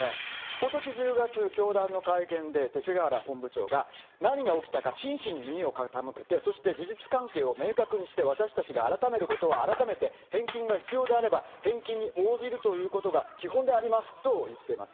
ことし１０月、教団の会見で、勅使河原本部長が、何が起きたか、真摯に耳を傾けて、そして事実関係を明確にして、私たちが改めることは改めて返金が必要であれば、返金に応じるということが基本でありますと言ってます。